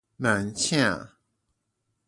慢且